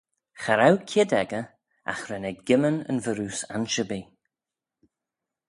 Cha row kied echey, agh ren eh gimman yn varroose ansherbee.